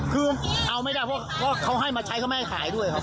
คือเอาไม่ได้เพราะเขาให้มาใช้เขาไม่ให้ขายด้วยครับ